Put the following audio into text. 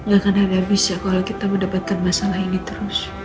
gak akan ada habis ya kalau kita mendapatkan masalah ini terus